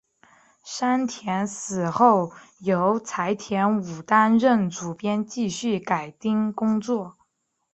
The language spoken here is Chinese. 山田死后由柴田武担任主编继续改订工作。